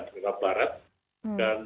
negara barat dan